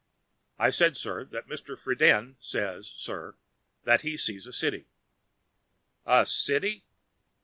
"I said, sir, that Mr. Friden said, sir, that he sees a city." "A city?"